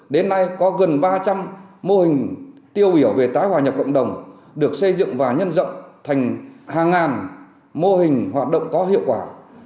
đến nay có gần ba trăm linh mô hình tiêu biểu về tái hòa nhập cộng đồng được xây dựng và nhân rộng thành hàng ngàn mô hình hoạt động có hiệu quả